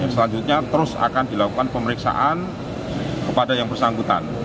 selanjutnya terus akan dilakukan pemeriksaan kepada yang bersangkutan